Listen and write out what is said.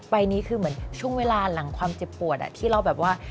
ใบนี้คือเหมือนช่วงเวลาหลังความเจ็บปวดที่เราแบบว่า